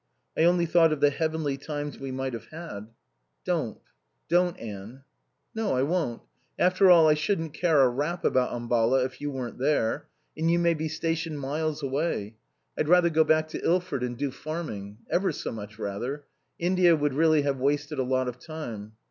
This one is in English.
I only thought of the heavenly times we might have had." "Don't don't, Anne." "No, I won't. After all, I shouldn't care a rap about Ambala if you weren't there. And you may be stationed miles away. I'd rather go back to Ilford and do farming. Ever so much rather. India would really have wasted a lot of time."